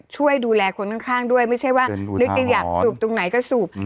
ช่วยดูแลคนข้างด้วยไม่ใช่ว่านึกจะอยากสูบตรงไหนก็สูบ